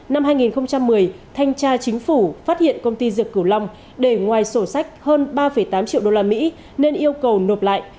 năm hai nghìn một mươi thanh tra chính phủ phát hiện công ty dược cửu long để ngoài sổ sách hơn ba tám triệu usd nên yêu cầu nộp lại